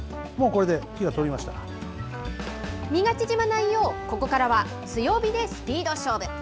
身が縮まないよう、ここからは強火でスピード勝負。